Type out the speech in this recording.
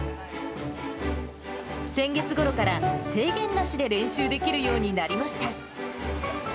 先月ごろから、制限なしで練習できるようになりました。